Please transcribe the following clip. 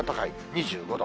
２５度。